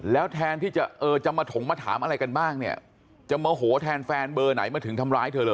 แล้วแทนที่จะเอ่อจะมาถลงมาถามอะไรกันบ้างเนี่ยจะม